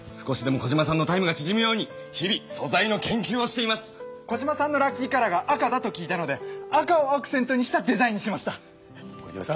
コジマさんのラッキーカラーが赤だと聞いたので赤をアクセントにしたデザインにしました！